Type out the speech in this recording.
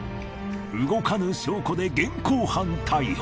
動かぬ証拠で現行犯逮捕。